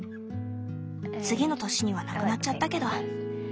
次の年にはなくなっちゃったけど。